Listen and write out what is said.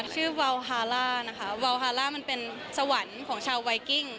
ชื่อวัลฮาร่านะคะวัลฮาร่ามันเป็นสวรรค์ของชาวไวกิ้ง